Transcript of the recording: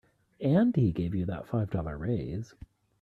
And he gave you that five dollar raise.